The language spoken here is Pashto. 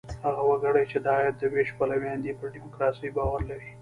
هغه وګړي، چې د عاید د وېش پلویان دي، پر ډیموکراسۍ باور لري.